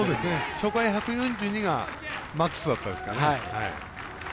初回１４２がマックスだったですかね。